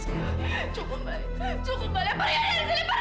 cukup mbak alia cukup mbak alia pergi dari sini pergi